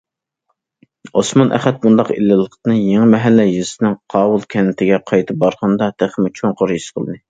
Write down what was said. ئوسمان ئەخەت بۇنداق ئىللىقلىقنى يېڭىمەھەللە يېزىسىنىڭ قاۋۇل كەنتىگە قايتا بارغىنىدا تېخىمۇ چوڭقۇر ھېس قىلدى.